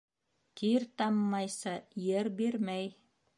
Тир таммайса, ер бирмәй.